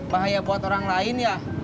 bahaya buat orang lain ya